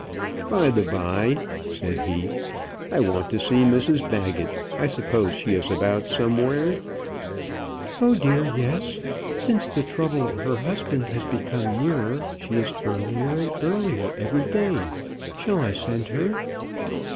"By the by," said he, "I want to see Mrs Baggett. I suppose she is about somewhere." "Oh dear, yes. Since the trouble of her husband has become nearer, she is earlier and earlier every day. Shall I send her?"